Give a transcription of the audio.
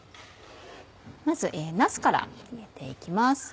まずなすから入れて行きます。